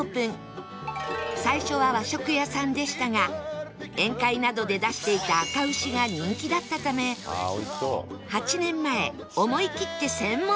最初は和食屋さんでしたが宴会などで出していたあか牛が人気だったため８年前思い切って専門店に